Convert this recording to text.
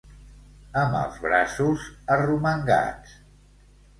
Amb els braços arromangats.